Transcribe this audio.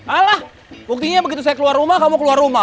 alah buktinya begitu saya keluar rumah kamu keluar rumah